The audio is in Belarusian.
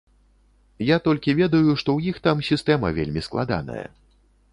Я толькі ведаю, што ў іх там сістэма вельмі складаная.